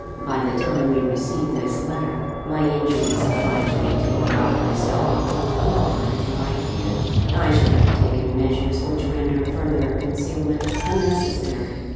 By the time you receive this letter (my injuries oblige me to allow myself a whole fortnight to write it in), I shall have taken measures which render further concealment unnecessary.